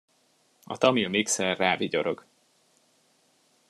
A tamil mixer rávigyorog.